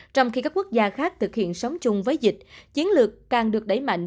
trong khi các quốc gia khác thực hiện sống chung với dịch chiến lược càng được đẩy mạnh